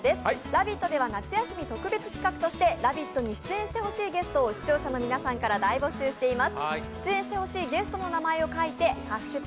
「ラヴィット！」では夏休み特別企画として「ラヴィット！」に出演してほしいゲストを視聴者の皆さんから大募集しています。